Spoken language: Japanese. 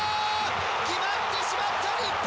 決まってしまった日本。